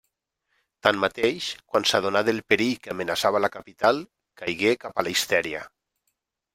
Tanmateix, quan s'adonà del perill que amenaçava la capital caigué cap a la histèria.